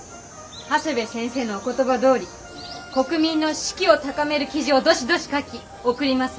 長谷部先生のお言葉どおり国民の士気を高める記事をどしどし書き送りますわ。